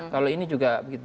kalau ini juga begitu